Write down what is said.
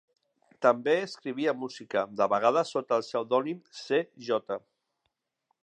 També escrivia música, de vegades sota el pseudònim C. J.